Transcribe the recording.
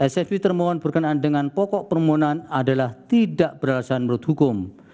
svi termohon berkenaan dengan pokok permohonan adalah tidak beralasan menurut hukum